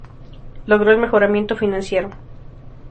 Logró el mejoramiento financiero.